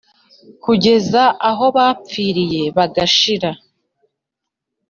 kugeza aho bapfiriye bagashira. “